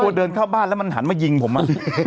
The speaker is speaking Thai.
ผมกลัวเดินเข้าบ้านแล้วมันหันมายิงผมว่ะ